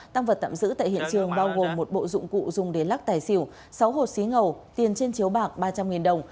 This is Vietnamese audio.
tăng vật tạm giữ tại hiện trường bao gồm một bộ dụng cụ dùng để lắc tài xỉu sáu hột xí ngầu tiền trên chiếu bạc ba trăm linh đồng